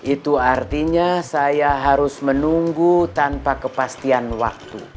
itu artinya saya harus menunggu tanpa kepastian waktu